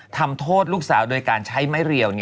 ทำโทษลูกสาวโดยการใช้ไม้เรียว